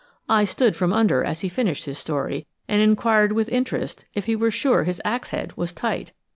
I stood from under as he finished his story, and inquired with interest if he were sure his axe head was tight!